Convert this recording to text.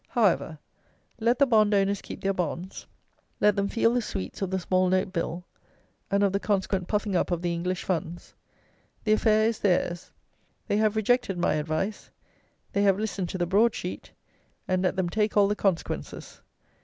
However, let the bond owners keep their bonds. Let them feel the sweets of the Small note Bill, and of the consequent puffing up of the English funds. The affair is theirs. They have rejected my advice; they have listened to the broad sheet; and let them take all the consequences.